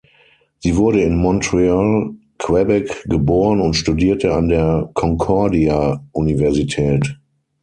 Sie wurde in Montreal, Quebec, geboren und studierte an der Concordia-Universität.